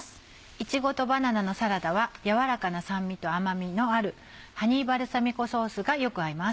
いちごとバナナのサラダはやわらかな酸味と甘味のあるハニーバルサミコソースがよく合います。